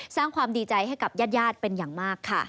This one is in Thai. สร้างความดีใจให้กับญาติเป็นอย่างมากค่ะ